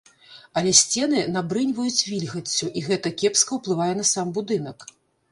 Але сцены набрыньваюць вільгаццю і гэта кепска ўплывае на сам будынак.